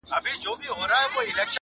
هر يوه يې افسانې بيانولې!!